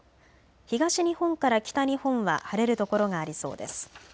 東日本から北日本は晴れる所がありそうです。